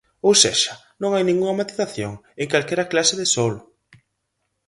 Ou sexa, non hai ningunha matización: en calquera clase de solo.